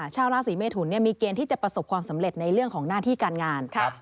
ชาวราศีเมทุนมีเกณฑ์ที่จะประสบความสำเร็จในเรื่องของหน้าที่การงาน